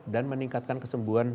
dan meningkatkan kesembuhan